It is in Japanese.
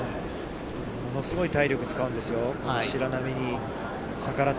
ものすごい体力使うんですよ。